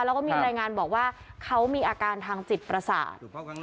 แล้วก็มีรายงานบอกว่าเขามีอาการทางจิตประสาท